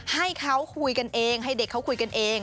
ให้เขาคุยกันเองให้เด็กเขาคุยกันเอง